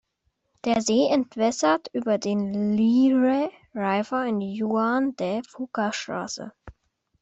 Der See entwässert über den Lyre River in die Juan-de-Fuca-Straße.